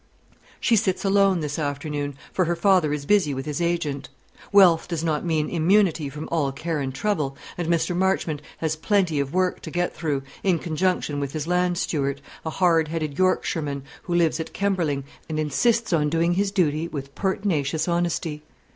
She sits alone this afternoon, for her father is busy with his agent. Wealth does not mean immunity from all care and trouble; and Mr. Marchmont has plenty of work to get through, in conjunction with his land steward, a hard headed Yorkshireman, who lives at Kemberling, and insists on doing his duty with pertinacious honesty.